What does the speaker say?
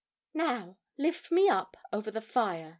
"Now, lift me up over the fire!"